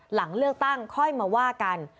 หลังเลือกตั้งค่อยมาว่ากัน